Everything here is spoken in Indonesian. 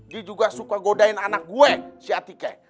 dia juga suka godain anak gue si atike